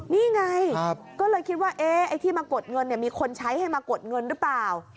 นี่ไงก็เลยคิดว่าไอ้ที่มากดเงินมีคนใช้ให้มากดเงินหรือเปล่า